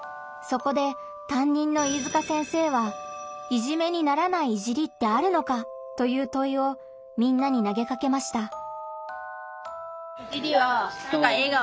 そこでたんにんの飯塚先生は「“いじめ”にならない“いじり”ってあるのか？」というといをみんなに投げかけました。